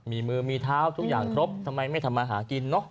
มีมือมีเท้าทุกอย่างครบทำไมไม่ทำมาหากินเนอะ